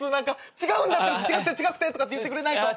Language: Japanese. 違うんだったら違くて！とかって言ってくれないと！